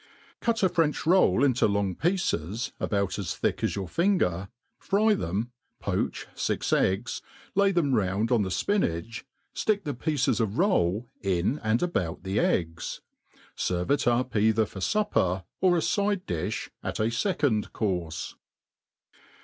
Cut a French roll iixto long pieces, about as thick as your fia* ger,'fry them, poach fix eggs, lay them round on the fpinach, fticic the pieces of roU in and'alout the eggs. Serve it up either for a fupper, or a fide difli at a fecgnd courfe.